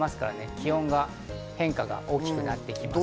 気温の変化が大きくなります。